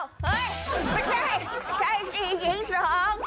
เฮ้ยไม่ใช่ไม่ใช่๔หญิง๒